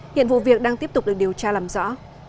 hiện vụ việc đang tiếp tục được điều tra làm rõ